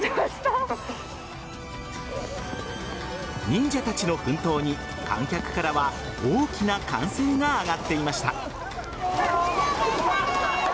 忍者たちの奮闘に観客からは大きな歓声が上がっていました。